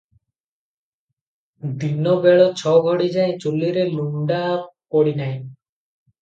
ଦିନ ବେଳ ଛ ଘଡ଼ିଯାଏ ଚୁଲୀରେ ଲୁଣ୍ଡା ପଡିନାହିଁ ।